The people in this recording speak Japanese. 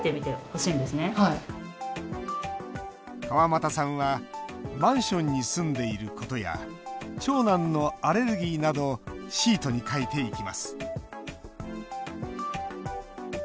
川俣さんはマンションに住んでいることや長男のアレルギーなどシートに書いていきます。